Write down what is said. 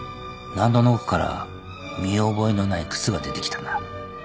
納戸の奥から見覚えのない靴が出てきたんだ。